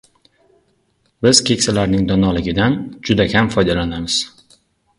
Biz keksalarning donoligidan juda kam foydalanamiz.